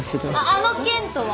あの件とは？